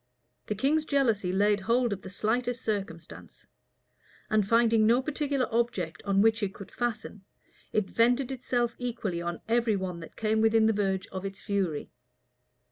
The king's jealousy laid hold of the slightest circumstance; and finding no particular object on which it could fasten, it vented itself equally on every one that came within the verge of its fury.